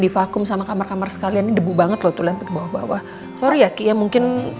divakum sama kamar kamar sekalian debu banget loh tuh liat bawah bawah sorry ya ki ya mungkin